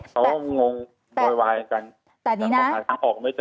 เขางงโบยวายกันแต่หาทางออกไม่เจอ